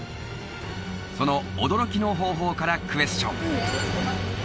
その驚きの方法からクエスチョン！